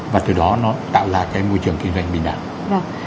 và từ đó nó tạo ra cái môi trường kinh doanh bình đẳng